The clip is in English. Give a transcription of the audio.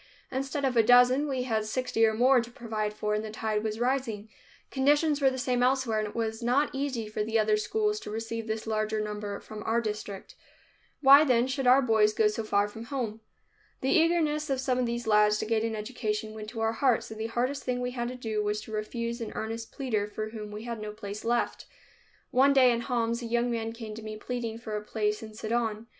Instead of a dozen, we had sixty or more to provide for and the tide was rising. Conditions were the same elsewhere and it was not easy for the other schools to receive this larger number from our district. Why, then, should our boys go so far from home? The eagerness of some of these lads to gain an education went to our hearts, and the hardest thing we had to do was to refuse an earnest pleader for whom we had no place left. One day in Homs a young man came to me, pleading for a place in Sidon.